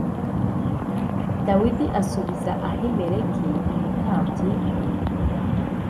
Dawidi asubiza Ahimeleki umutambyi